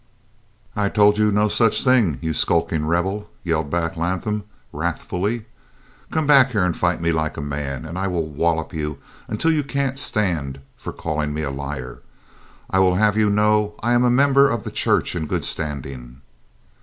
"I told you no such thing, you skulking Rebel," yelled back Latham, wrathfully. "Come back here and fight me like a man, and I will wallop you until you can't stand, for calling me a liar. I would have you know I am a member of the church in good standing."